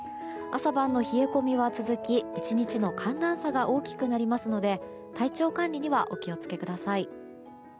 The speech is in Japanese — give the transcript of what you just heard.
朝晩の冷え込みは続き、１日の寒暖差が大きくなりますので体調管理にはお気を付けください。